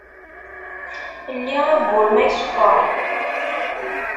Lli awwur, ma isekkeṛ!